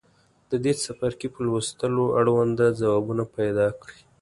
د دې څپرکي په لوستلو اړونده ځوابونه پیداکړئ.